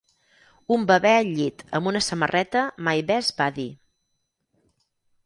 Un bebè al llit amb una samarreta "my best buddy".